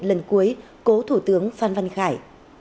lần cuối cố thủ tướng phan văn khải